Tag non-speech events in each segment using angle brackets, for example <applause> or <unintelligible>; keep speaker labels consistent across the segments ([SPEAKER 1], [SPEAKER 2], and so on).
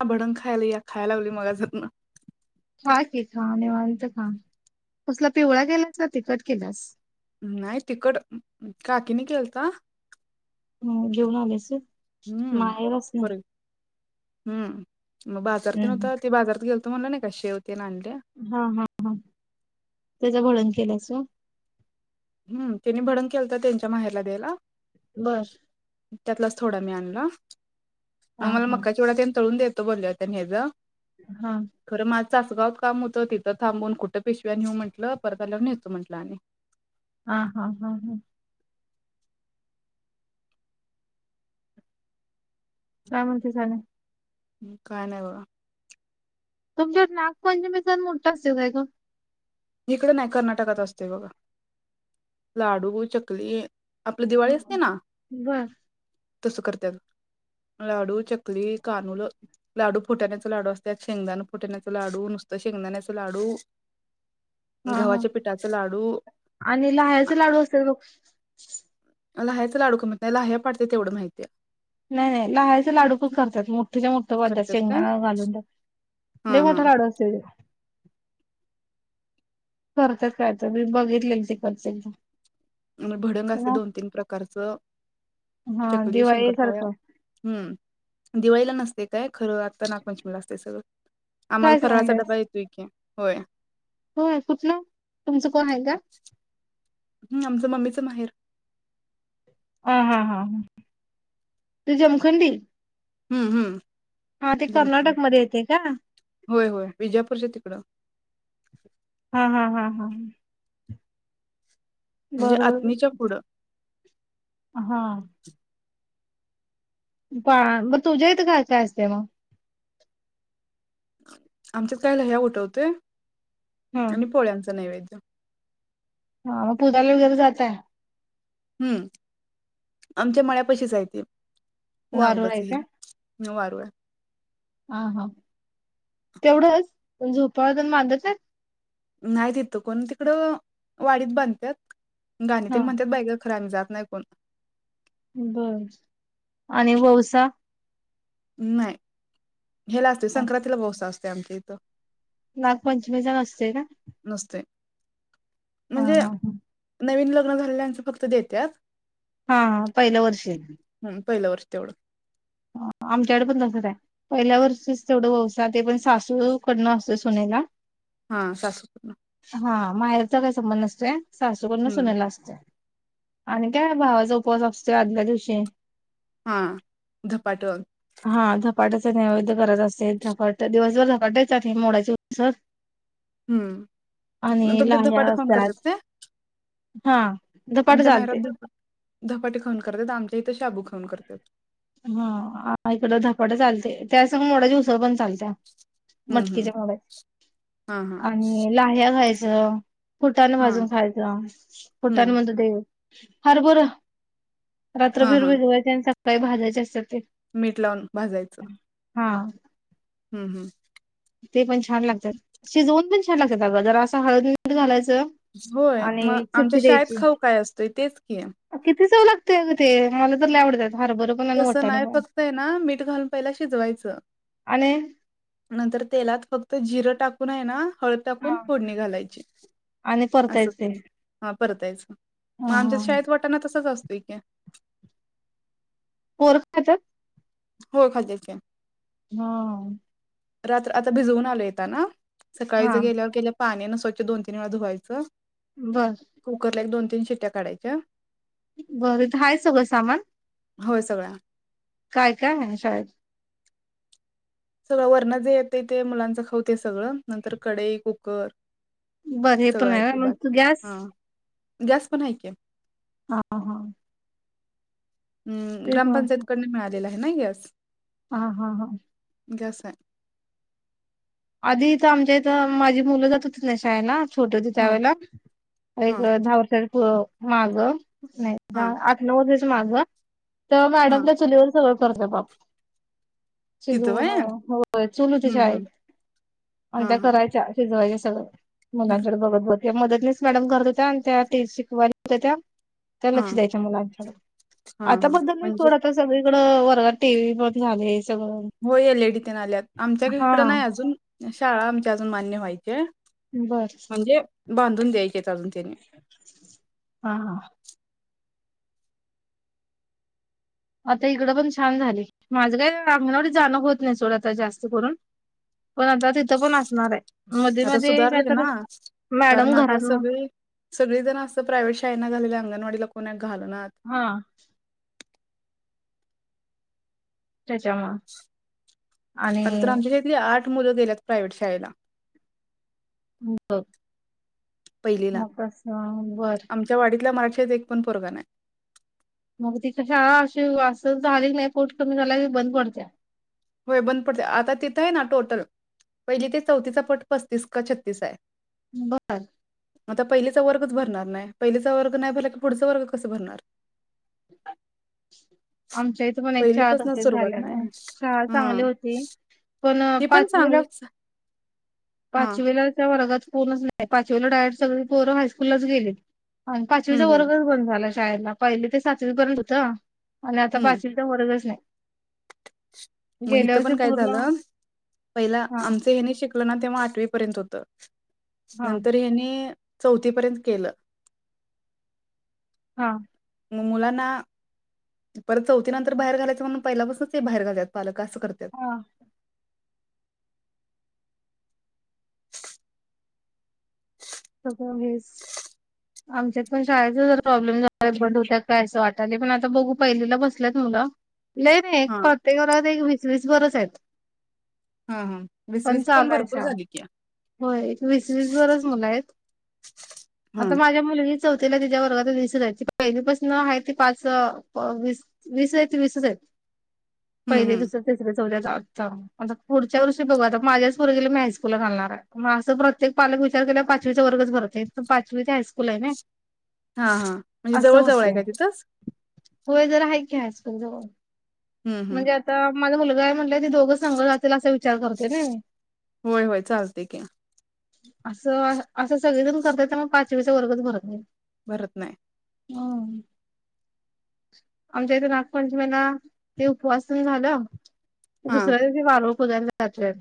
[SPEAKER 1] ह भडंग खायला या खाय लागलोय मगाज पसणं
[SPEAKER 2] खा की खा निवांत खा कसला पिवळा केलास ना तिकट केलास.
[SPEAKER 1] नाही तिकड काकीने केलता.
[SPEAKER 2] ह घेऊन आलेच
[SPEAKER 1] हम्म
[SPEAKER 2] माहेरच ना.
[SPEAKER 1] पर हम्म. मग बाजारात
[SPEAKER 2] हम्म.
[SPEAKER 1] नव्हता ते बाजारात गेल. तुम्हाला नाही काेव
[SPEAKER 2] हा हा हा त्याचा भळण. केलास.
[SPEAKER 1] हम् त्यांनी भडण केलं तर त्यांच्या माहेरला द्यायला.
[SPEAKER 2] बर.
[SPEAKER 1] त्यातलाच थोडा मी आणला.
[SPEAKER 2] हा
[SPEAKER 1] मग मला
[SPEAKER 2] हा
[SPEAKER 1] मक्का वढा तळून देत. बोलले होत्या हे ज
[SPEAKER 2] हा.
[SPEAKER 1] तचगावात काम होतं तिथं थांबून खुठं पिशव्या नेऊ म्हटलं परताल्यावरून नेसेतो म्हंटलं आणि
[SPEAKER 2] हा हा हा हा. काय म्हणती झालं.
[SPEAKER 1] काय नाही बघ.
[SPEAKER 2] तुमच्या नागपंचमी ण मोठा असेल काय का
[SPEAKER 1] इकडे नाही कर्नाटकात असते बघा लाडू चकली आपली दिवाळी असते ना
[SPEAKER 2] बर
[SPEAKER 1] तसं करतात लाडू चकली कानूल लाडू फुटाण्याचे लाडू असतात शेंगदाण फुटाण्याचा लाडू नुसतं शेंगदाण्याचा लाडू
[SPEAKER 2] हा हा
[SPEAKER 1] गव्हाच्या पिठाचे लाडू,
[SPEAKER 2] आणि लह्याचे लाडू असेल बघ
[SPEAKER 1] लहायचं लाडूकं म्हत नाही लहाय पाडते तेवढं माहितीय
[SPEAKER 2] नाही नाही लहायचे लाडूकच करतात मोठ तिझ मोठं बात
[SPEAKER 1] करत्यात काय?
[SPEAKER 2] शेंगणा घालून
[SPEAKER 1] हा
[SPEAKER 2] द
[SPEAKER 1] हा
[SPEAKER 2] मोठा लाडू असत <inaudible> करतेच कायत मी बघितले ते करते एकदा
[SPEAKER 1] भडंग असे दोन तीन प्रकारच
[SPEAKER 2] हा
[SPEAKER 1] चकली
[SPEAKER 2] दिवाळी
[SPEAKER 1] शंकरपाळ
[SPEAKER 2] सारखं
[SPEAKER 1] हम्म दिवाळीला नसते काय खरं आता नागपंचमीला असते सगळं आम्हाला
[SPEAKER 2] काय
[SPEAKER 1] फरळाचा डबा येतोय क होय
[SPEAKER 2] हो कुठ ना तुमचं कोण आहे का
[SPEAKER 1] हम्म आमचं मम्मीच माहेर
[SPEAKER 2] ह हा हा ह तू जमखंडी
[SPEAKER 1] हम्म हम्म
[SPEAKER 2] हा ते
[SPEAKER 1] जमखम
[SPEAKER 2] कर्नाटकमध्ये येते का
[SPEAKER 1] होय होय विजापूरच्या तिकडं
[SPEAKER 2] हा हा हा. हा.
[SPEAKER 1] म्हणजे
[SPEAKER 2] बरोबर
[SPEAKER 1] आतनीच्या पुढं.
[SPEAKER 2] हा. पा म तुझा इथं काय काय असते मग
[SPEAKER 1] आमच्यात काय लाह्या उठवतय
[SPEAKER 2] हम्म.
[SPEAKER 1] आणि पोळ्याचा नैवेद्य द
[SPEAKER 2] हा मग पुजाला वगैर जाताय
[SPEAKER 1] हम्म आमच्या मळ्यापाशीच आहे ते ना गो
[SPEAKER 2] वारूळ आहे
[SPEAKER 1] बसही
[SPEAKER 2] का?
[SPEAKER 1] ना न वारूळ आहे
[SPEAKER 2] हा हा तेवढंच झोपाळ पण बांधायचाय
[SPEAKER 1] नाही तिथं कोण तिकडं वाडीत बाधत्यात गाणी
[SPEAKER 2] हा.
[SPEAKER 1] तेन म्हणत्यात बायग खर आमी जात नाई कोण
[SPEAKER 2] बर आणि ववसा
[SPEAKER 1] नाही. ह्याला असते संक्रांतीला ओवसा असतो ते आमच्या इथं
[SPEAKER 2] नागपंचमीचा
[SPEAKER 1] नसते.
[SPEAKER 2] हा
[SPEAKER 1] म्हणजे
[SPEAKER 2] हा हा.
[SPEAKER 1] नवीन लग लग्न झाल्या च फक्त देत्यात
[SPEAKER 2] हा हा पहिल्या वर्षी आहे हे
[SPEAKER 1] पहिल वर्ष तेवढं
[SPEAKER 2] आ आमच्याकडे पण तसच आय, पहिल्या वर्षीच तेवडं वंसा ते पण सासूकडनं अस सुनेला
[SPEAKER 1] हा सासू सुना
[SPEAKER 2] हा माहेरचा काय संबंध नस्तोये सासूकडून
[SPEAKER 1] हम्म
[SPEAKER 2] सुनेला असतये आणि काय भावाचा उपवास असतोय आदल्या दिवशी
[SPEAKER 1] हा. धपाटं
[SPEAKER 2] हा धापट्या ते नैवेद्य करायचा असते धपाटे, दिवसभर धपाटे आणि मोडाची उसळ
[SPEAKER 1] हम्म
[SPEAKER 2] आणि
[SPEAKER 1] तुमच्यात
[SPEAKER 2] लाह्या
[SPEAKER 1] धपाटं खाऊन
[SPEAKER 2] असते आज
[SPEAKER 1] करत्यात काय
[SPEAKER 2] हा धपाटे
[SPEAKER 1] आमच्या माहेरात
[SPEAKER 2] चालते
[SPEAKER 1] धप धपाटे खाऊन करतात आमच्या इथे
[SPEAKER 2] हम्म ऐकलं धपाटा आलत्ये त्या संग मोडाची उसळ पण चा चालतये
[SPEAKER 1] हम्म हम्म
[SPEAKER 2] मटकीच्या मोडा
[SPEAKER 1] हा हा
[SPEAKER 2] आणि लाह्या खायच्या ज फुटान
[SPEAKER 1] हा
[SPEAKER 2] भाजून खायचं फुटाने
[SPEAKER 1] हम्म
[SPEAKER 2] म्हणतो ते हरभरं रात्र
[SPEAKER 1] हा
[SPEAKER 2] भिर
[SPEAKER 1] हा
[SPEAKER 2] भीजवाय काही भाजायचे असत्यात
[SPEAKER 1] मीठ लावून भाजायचं
[SPEAKER 2] हा
[SPEAKER 1] हम्म हम्म
[SPEAKER 2] ते पण छान लागतात शिजवून पण छान लागतात आगं जरा असं हळद मीठ तेन घालायच
[SPEAKER 1] होय मग आमच्या शाळेत खाऊ काय असतोय तेच की
[SPEAKER 2] <inaudible> लय चव लागतंय मला तर लय आवडत्यात
[SPEAKER 1] तसं नाही फक्त आहे ना मीठ घालून पहिला शिजवायचं
[SPEAKER 2] आणि
[SPEAKER 1] नंतर तेलात फक्त जिरं टाकून आहे ना हळद टाकून
[SPEAKER 2] हा.
[SPEAKER 1] फोडणी घालायची
[SPEAKER 2] आणि
[SPEAKER 1] असं
[SPEAKER 2] परतायच ते
[SPEAKER 1] परतायचं
[SPEAKER 2] हा
[SPEAKER 1] मग आमच्या
[SPEAKER 2] हा
[SPEAKER 1] शाळेत वाटाणा तसंच असतो <inaudible>
[SPEAKER 2] पोर खात्यात
[SPEAKER 1] होय खात्यात की
[SPEAKER 2] हा.
[SPEAKER 1] रात्र आता भिजऊन आलोय एताना
[SPEAKER 2] हा
[SPEAKER 1] सकाळीच गेल्या गेल्या पाण्याने स्वच्छ दोन तीन वेळा धुवायचं
[SPEAKER 2] बर
[SPEAKER 1] कुकरला एक दोन तीन शिंट्या काढायच्या
[SPEAKER 2] बरंत हाय सगळं सामान
[SPEAKER 1] होय सगळ
[SPEAKER 2] काय काय हाय शाळेत
[SPEAKER 1] सगळं वरण जे येतंय ते मुलांच खाऊते सगळं नंतर कडेई कुकर
[SPEAKER 2] बर हे
[SPEAKER 1] सगळं
[SPEAKER 2] पण आहे ना
[SPEAKER 1] ते
[SPEAKER 2] मग तो गॅस
[SPEAKER 1] बाकी हा गॅस पण आहे की
[SPEAKER 2] हा हा
[SPEAKER 1] म
[SPEAKER 2] तेच
[SPEAKER 1] ग्रामपंचायत
[SPEAKER 2] म्हटलं
[SPEAKER 1] कडून मिळाल आहे नाही गस
[SPEAKER 2] हा हा हा
[SPEAKER 1] गॅस हाय
[SPEAKER 2] आधीथ आमच्या इथं माझी मुलं जात होतीथ ना शाळेला छोट होती
[SPEAKER 1] हम्म.
[SPEAKER 2] त्यावेळेला
[SPEAKER 1] हा
[SPEAKER 2] एक धावकर हो मागं नाही
[SPEAKER 1] हा
[SPEAKER 2] आता नऊ दिस मागवा तवा
[SPEAKER 1] हा
[SPEAKER 2] मॅडमला चुलीवर सव तर ते बाप
[SPEAKER 1] तिथं
[SPEAKER 2] शिजवून
[SPEAKER 1] व्हय
[SPEAKER 2] होय, चूल होती
[SPEAKER 1] हम्म
[SPEAKER 2] शाळेत.
[SPEAKER 1] हम्म
[SPEAKER 2] अन
[SPEAKER 1] हा
[SPEAKER 2] त्या
[SPEAKER 1] हा.
[SPEAKER 2] करायच्या अशे जोय सगळं मुलांचेकडे बघत बघत त्या मदतनिस मॅडम करत होेत्या आणि त्या ती शिकवाया होत्या त्या? त्या
[SPEAKER 1] हा
[SPEAKER 2] लक्ष द्यायच्या मुलांच्याड.
[SPEAKER 1] हा
[SPEAKER 2] आता
[SPEAKER 1] हा
[SPEAKER 2] बदलली
[SPEAKER 1] म्हणजे
[SPEAKER 2] सोड आता सगळी. थोडं वर्गात टी व्ही पण झाले. सगळं
[SPEAKER 1] हो एलएडी ते ना आल्यात आमच्या गली कडे
[SPEAKER 2] हा
[SPEAKER 1] तर नाही अजून. शाळा आमची अजून मान्य व्हायचीये.
[SPEAKER 2] बर.
[SPEAKER 1] बांधून द्याय
[SPEAKER 2] हा हा. आता इकडं पण छान झाली. माझं काही आंगणवाडीत जाणं होत नाही सोड आता जास्त करून, पण आता तिथं पण असणार आहे. मध्ये
[SPEAKER 1] आता
[SPEAKER 2] मध्ये
[SPEAKER 1] सुधारले
[SPEAKER 2] काहीतरी
[SPEAKER 1] ना?
[SPEAKER 2] मॅडम
[SPEAKER 1] कारण आता
[SPEAKER 2] घरातनं
[SPEAKER 1] सगळी सगळी जण अस प्रायव्हेट शाळेना घालेले अंगणवाडीला कुणान
[SPEAKER 2] हा. त्याच्या मुळ आणि
[SPEAKER 1] आता तर आमच्या इथली आठ मुलं गेल्यात प्रायव्हेट शाळेला.
[SPEAKER 2] बघ.
[SPEAKER 1] पहिलीला.
[SPEAKER 2] बर
[SPEAKER 1] आमच्या वाडीतला मराठी त्यात एक पण पोरगा नाही.
[SPEAKER 2] मग तिथ शाळा अशी असं झाली नाही पट कमी झालाये, बंद पडते्या.
[SPEAKER 1] होय बंद पडते. आता तिथं आहे ना टोटल, पहिली ते चौथीचा पट पस्तीस का छत्तीस आहे.
[SPEAKER 2] बर
[SPEAKER 1] आता पहिलीचा वर्गच भरणार नाही पहिलीचा वर्ग नाही भरला की पुढचा वर्ग कस भरणार?
[SPEAKER 2] आमच्या इथे पण एक चार <unintelligible>
[SPEAKER 1] पहिलीपासूनच सुरुवात
[SPEAKER 2] झाल्याना
[SPEAKER 1] नाही.
[SPEAKER 2] शाळा
[SPEAKER 1] हा
[SPEAKER 2] चांगली होती. पण
[SPEAKER 1] ही
[SPEAKER 2] पाचवीला
[SPEAKER 1] चांगलीच हा
[SPEAKER 2] पाचवीला त्या वर्गात कोणाच नाही पाचवीला डायेट सगळीं पोरं हायस्कूलच गेले. आन
[SPEAKER 1] हं
[SPEAKER 2] पाचवीचा
[SPEAKER 1] हं
[SPEAKER 2] वर्गच बंद झालाय. शाळेना पहिली ते सातवीं पर्यंत होत. आणि आता
[SPEAKER 1] हं
[SPEAKER 2] पाचवीचा वर्गच नाही
[SPEAKER 1] मग
[SPEAKER 2] गेल्या
[SPEAKER 1] इथ
[SPEAKER 2] वर्षी
[SPEAKER 1] पण काय
[SPEAKER 2] पूर्ण
[SPEAKER 1] झालं पहिलं
[SPEAKER 2] हा
[SPEAKER 1] आमच यंनी शिकल ना तेव्हा आठवी पर्यंत होत.
[SPEAKER 2] हा
[SPEAKER 1] नंतर हेनी. चौथीपर्यंत केलं.
[SPEAKER 2] हा
[SPEAKER 1] मग मुलांना परत चौथीनंतर बाहेर घालायचं म्हणून पहिल्यापासूनच ते बाहेर घालत्यात पालक कस करत्यात.
[SPEAKER 2] हा सगळं हेच आमच्यात पण शाळेचा जर प्रॉब्लेम झालाय बंद होत्या काय असं वाटालयं पण आता बघू पहिलीला बसल्यात मुलं. नाही नाही
[SPEAKER 1] हा
[SPEAKER 2] प्रत्येक घरात एक वीस वीस भरचं आहेत.
[SPEAKER 1] हा हा वीस
[SPEAKER 2] पण
[SPEAKER 1] वीस
[SPEAKER 2] चालूय
[SPEAKER 1] भरपूर
[SPEAKER 2] शाळा
[SPEAKER 1] झाली की.
[SPEAKER 2] होय एक वीस वीस भरच मुलं आहेत
[SPEAKER 1] हा
[SPEAKER 2] आता माझ्या मुलगी चौथीला तिच्या वर्गात वीस आहे त पहिलीपासन आहे ती पाच वीस आहे वीसच आहेत.
[SPEAKER 1] हं
[SPEAKER 2] पहिलं
[SPEAKER 1] हं
[SPEAKER 2] दुसरं तिसरं आता पुढच्या वर्षी बघू आता माझ्याच मुलगीला मी हायस्कूलला घालणार आहे अस प्रत्येक पालक विचार केल्यावर पाचवीचा वर्गच भरत नाहीत तर पाचवी ते हायस्कूल आहे ना.
[SPEAKER 1] हा हा म्हणजे
[SPEAKER 2] असं
[SPEAKER 1] जवळ जवळ आहे
[SPEAKER 2] होतंय
[SPEAKER 1] काय तिथंच.
[SPEAKER 2] होय जरा हाय की हायस्कूल जवळ.
[SPEAKER 1] हं हं
[SPEAKER 2] म्हणजे आता माझ्या मुलग्याला म्हटलं. दोघे संग जातील असा विचार करतोय नई.
[SPEAKER 1] होय होय चालते की
[SPEAKER 2] असं. असं सगळेजण करत्यात त्यामुळं मग पाचवीचा वर्गच भरत नहीत.
[SPEAKER 1] भरत नायं.
[SPEAKER 2] हो आमच्या इथं नागपंचमीला ते उपवास तेनं झालं
[SPEAKER 1] हा
[SPEAKER 2] दुसऱ्या दिवशी वारूळ पुजायला घातले.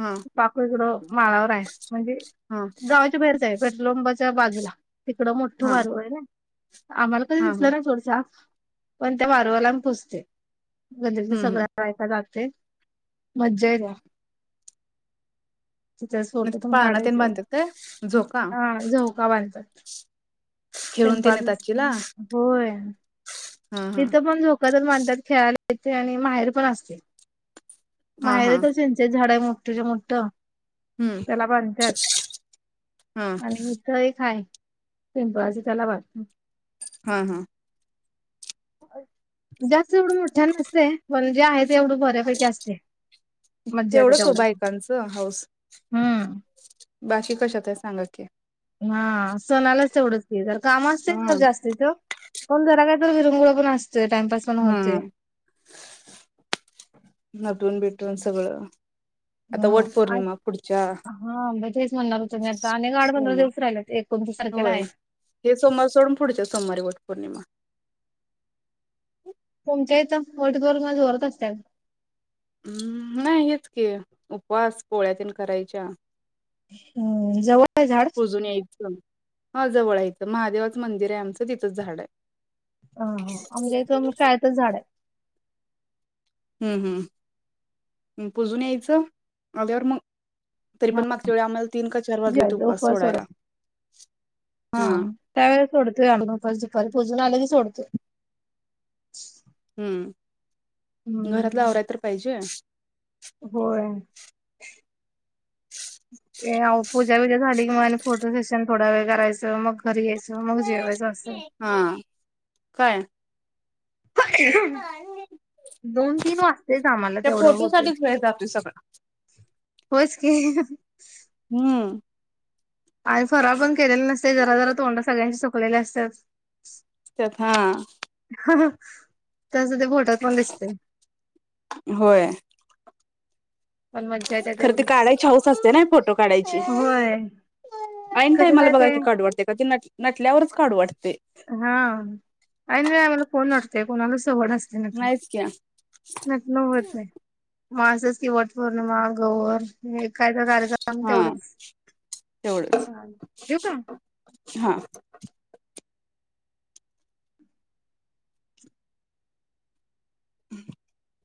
[SPEAKER 1] हा
[SPEAKER 2] पाक इकडं माळावर आहे म्हणजे,
[SPEAKER 1] हा
[SPEAKER 2] गावाच्या बाहेरचं आहे. पेट्रोलपंपाच्या बाजूला. तिकडं मोठं
[SPEAKER 1] हा हा
[SPEAKER 2] वारूळ आहे ना. आम्हाला कधी
[SPEAKER 1] हा
[SPEAKER 2] दिसलं
[SPEAKER 1] हम्
[SPEAKER 2] नाही सोड साप. पण त्या वारूळाला आम्ही पुजतयं. गल्लीतले
[SPEAKER 1] हम
[SPEAKER 2] सगळ्या बायका जात. ते, मज्जा ये ला. तिच्या
[SPEAKER 1] मग तिथं
[SPEAKER 2] सोटीतून
[SPEAKER 1] पाळणा तेन
[SPEAKER 2] काढायचंय.
[SPEAKER 1] बांधतात काय झोका
[SPEAKER 2] हा झऊका बांधतात.
[SPEAKER 1] खेळून तेन येतात
[SPEAKER 2] पिंपळाचच,
[SPEAKER 1] चिला
[SPEAKER 2] होय.
[SPEAKER 1] हा हा
[SPEAKER 2] तिथ पण झोकाचच म्हणतात खेळाला तिथे आणि माहेर पण असते
[SPEAKER 1] हा हा
[SPEAKER 2] माहेरच चिंचेचे झाड आहे म. तुझ मुट्ठ
[SPEAKER 1] हम्म
[SPEAKER 2] त्याला बांधत्यात
[SPEAKER 1] हा
[SPEAKER 2] आणि इथ एक हाय. पिंपळाज त्याला बांध
[SPEAKER 1] हा हा
[SPEAKER 2] जास् जवढ मोठ्या नसतय. पण जे आहे ते एवढं बऱ्यापैकी असते. मज्जा येते
[SPEAKER 1] तेवढंच हो
[SPEAKER 2] तेवढ्यात.
[SPEAKER 1] बायकांचं हाऊस.
[SPEAKER 2] हम्म
[SPEAKER 1] बाकी कशात आहे सांगाय ओके.
[SPEAKER 2] हा. सणालाच तेवढंच ते जर काम असतेत
[SPEAKER 1] हा
[SPEAKER 2] ना जास्तीच कोण जरा काय तर विरंगळ पण अस सये टाइमपास पण होते.
[SPEAKER 1] हा टून भेटून सगळं आता वट
[SPEAKER 2] हम्म
[SPEAKER 1] पौर्णिमा पुढच्या
[SPEAKER 2] हा मग तेच म्हणणार होतो मी आता आणि आठ पंधरा
[SPEAKER 1] सोमार
[SPEAKER 2] दिवस राहिलेत एकोणतीस तारखेला
[SPEAKER 1] होय
[SPEAKER 2] आहे.
[SPEAKER 1] हे सोमवार सोडून पुढच्या सोमवारी वट पौर्णिमा.
[SPEAKER 2] तुमच्या इथ वटगर मल होरत असत्याल.
[SPEAKER 1] हम्म नाही हेच की उपवास पोळ्यातील करायच्या.
[SPEAKER 2] ह जवळ आहे झाड?
[SPEAKER 1] पुजून हा जवळ इथं महादेवाचं मंदिर आहे आमचं तिथंच झाड आहे.
[SPEAKER 2] हा हा आंब्याच म शाळेतच झाड आहे.
[SPEAKER 1] हम्म हम्म् पुजून यायचं आल्यावर मग तरी
[SPEAKER 2] हा
[SPEAKER 1] पण मागच्या वेळी आम्हाला तीन का चार
[SPEAKER 2] जी
[SPEAKER 1] वाजले होते
[SPEAKER 2] आहे
[SPEAKER 1] उपवास
[SPEAKER 2] उपास
[SPEAKER 1] सोडायला
[SPEAKER 2] सोडाय हा त्यावेळेस सोडतोय आमी उपास दुपारी पुजून आलीस चोडते
[SPEAKER 1] हम्म. घरातला आवरा तर पाहिजे.
[SPEAKER 2] होय ते अहो पूजा बिजा झाली का मला फोटो सेशन थोडा वेळ करायचं मग घरी यायच. मग जेवच अं असल.
[SPEAKER 1] हा काय?
[SPEAKER 2] दोन, तीन वाजतेच आम्हाला
[SPEAKER 1] त्या
[SPEAKER 2] तेवढं
[SPEAKER 1] फोटो
[SPEAKER 2] होते.
[SPEAKER 1] साठीच वेळ जातोय सगळा.
[SPEAKER 2] होच की.
[SPEAKER 1] हम्म
[SPEAKER 2] आणि फराळ पण केलेला नसलं जरा जरा तोंड सगळ्यांशी. खलेलं असतं.
[SPEAKER 1] त्या हा.
[SPEAKER 2] त्यांच ते बोटात पण दिसतेय.
[SPEAKER 1] होय खरं त काढायची हौस असते ना फोटो काढायची.
[SPEAKER 2] होय
[SPEAKER 1] आणिन टायमाला आहे काय
[SPEAKER 2] कधी
[SPEAKER 1] मला
[SPEAKER 2] नाही
[SPEAKER 1] बघा
[SPEAKER 2] ते
[SPEAKER 1] की ना काडू वाटते काय? नटल्यावरच काढू वाटतं.
[SPEAKER 2] हा. आणि आम्हाला कोन असतेय कोणाला सवड असतेना ते
[SPEAKER 1] नाहीच की
[SPEAKER 2] नटन होत नाही. माझ्या की वट पौर्णिमा गौर एक एक कार्यक्रम.
[SPEAKER 1] हा
[SPEAKER 2] तेवढंच
[SPEAKER 1] तेवढंच.
[SPEAKER 2] हा, ठेवू का?
[SPEAKER 1] हा <unintelligible> <unintelligible>